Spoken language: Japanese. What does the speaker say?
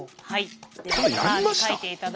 はい。